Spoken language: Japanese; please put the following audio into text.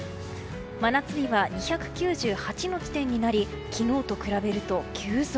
真夏日は２９８の地点になり昨日と比べると急増。